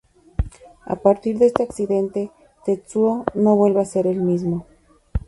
A partir de ese accidente, Tetsuo no vuelve a ser el mismo.